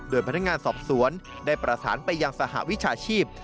โดยพนักงานสอบสวนได้ประสานไปยังสหวิชาชีพ